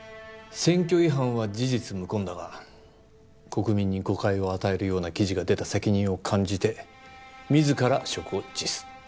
選挙違反は事実無根だが国民に誤解を与えるような記事が出た責任を感じて自ら職を辞す。